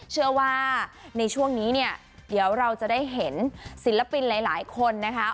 เชื่อว่าในช่วงนี้เนี่ยเดี๋ยวเราจะได้เห็นศิลปินหลายคนนะคะ